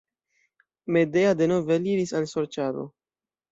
Medea denove aliris al sorĉado.